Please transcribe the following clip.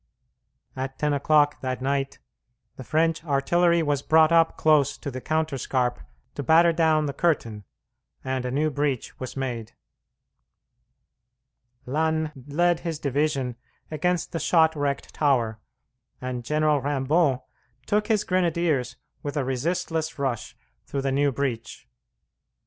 At ten o'clock that night the French artillery was brought up close to the counterscarp to batter down the curtain, and a new breach was made. Lannes led his division against the shot wrecked tower, and General Rimbaud took his grenadiers with a resistless rush through the new breach.